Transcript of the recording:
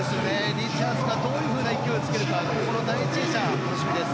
リチャーズがどういうふうに勢いをつけるか第１泳者、楽しみです。